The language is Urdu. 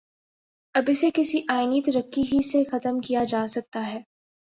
اب اسے کسی آئینی طریقے ہی سے ختم کیا جا سکتا ہے۔